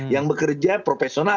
yang bekerja profesional